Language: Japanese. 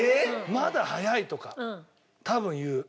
「まだ早い」とか多分言う。